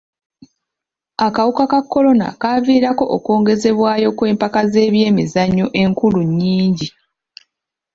Akawuka ka kolona kaaviirako okwongezebwayo kw'empaka z'ebyemizannyo enkulu nnyingi.